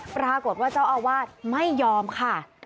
ปรากฏว่าเจ้าอาวาสไม่ยอมค่ะ